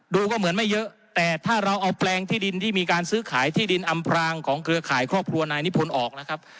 ก็เหมือนไม่เยอะแต่ถ้าเราเอาแปลงที่ดินที่มีการซื้อขายที่ดินอำพรางของเครือข่ายครอบครัวนายนิพนธ์ออกนะครับ